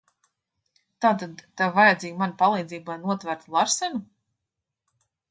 Tātad tev vajadzīga mana palīdzība, lai notvertu Larsenu?